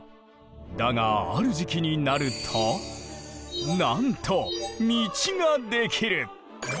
だがある時期になるとなんと道ができる！